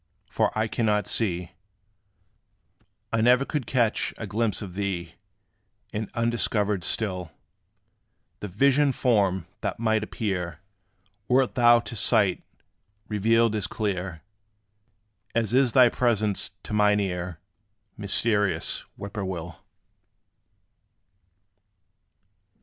for I cannot see I ne'er could catch a glimpse of thee; And undiscovered still The vision form, that might appear, Wert thou to sight revealed as clear, As is thy presence to mine ear, Mysterious Whip poor will.